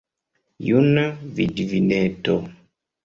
Juna vidvineto!